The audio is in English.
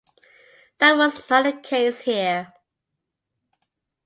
That was not the case here.